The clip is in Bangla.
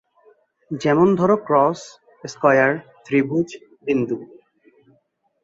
যেমন ধর ক্রস, স্কয়ার, ত্রিভুজ, বিন্দু।